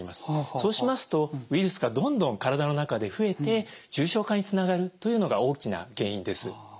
そうしますとウイルスがどんどん体の中で増えて重症化につながるというのが大きな原因です。